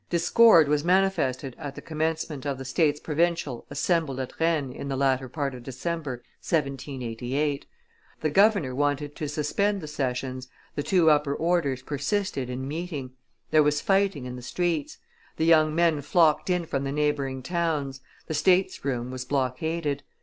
Discord was manifested at the commencement of the states provincial assembled at Rennes in the latter part of December, 1788. The governor wanted to suspend the sessions, the two upper orders persisted in meeting; there was fighting in the streets. The young men flocked in from the neighboring towns; the states room was blockaded.